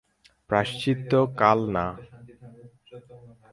প্রায়শ্চিত্ত কাল না।